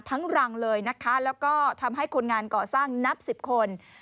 รังเลยนะคะแล้วก็ทำให้คนงานก่อสร้างนับสิบคน